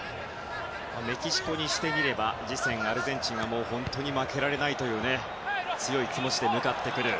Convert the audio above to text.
メキシコにしてみれば次戦アルゼンチンはもう本当に負けられないという強い気持ちで向かってくる。